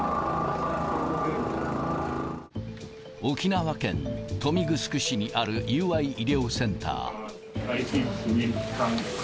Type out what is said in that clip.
沖縄県豊見城市にある友愛医療センター。